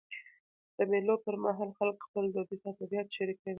د مېلو پر مهال خلک خپل دودیز ادبیات شريکوي.